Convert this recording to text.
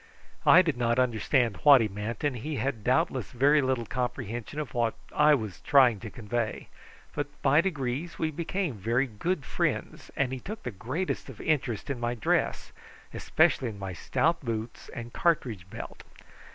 I did not understand what he meant, and he had doubtless very little comprehension of what I tried to convey; but by degrees we became very good friends, and he took the greatest of interest in my dress, especially in my stout boots and cartridge belt.